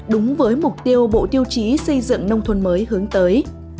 đúng với mục tiêu bộ tiêu chí xây dựng nông thôn mới hướng tới